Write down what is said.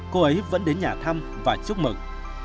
cô ấy vẫn đến nhà thăm và chúc mừng